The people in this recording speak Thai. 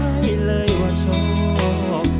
เปิดใจได้เลยว่าฉันบอก